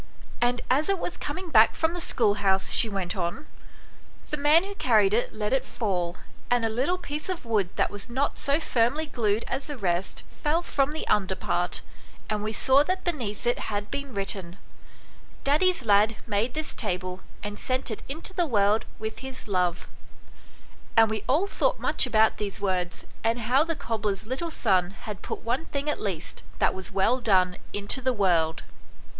"And as it was coming back from the school house," she went on, " the man who carried it let it fall, and a little piece of wood that was not so firmly glued as the rest fell from the under part, and we x.] THE BEAUTIFUL LADY. 99 saw that beneath it had been written :* Daddy's lad made this table, and sent it into the world with his love' and we all thought much about these words, and how the cobbler's little son had put one thing at least that was well done into the world.